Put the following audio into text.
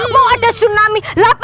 mau ada tsunami